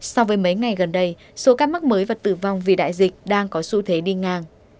so với mấy ngày gần đây số ca mắc mới và tử vong vì đại dịch đang có xu thế đi ngang